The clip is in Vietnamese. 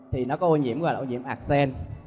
thì nó có ô nhiễm gọi là ô nhiễm axen